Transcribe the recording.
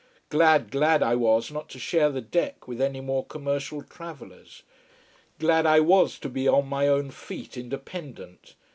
Glad, glad I was not to share the deck with any more commercial travellers. Glad I was to be on my own feet, independent.